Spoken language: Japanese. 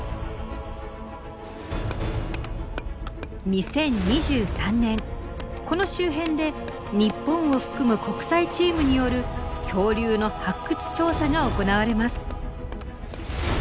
２０２３年この周辺で日本を含む国際チームによる恐竜の発掘調査が行われます。